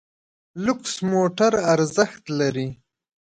لوکس موټر ارزښت لري.